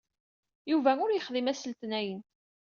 Yuba ur yexdim ass n letniyen.